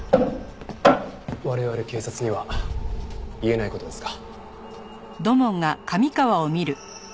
我々警察には言えない事ですか？